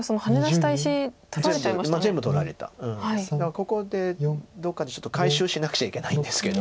ここでどっかでちょっと回収しなくちゃいけないんですけど。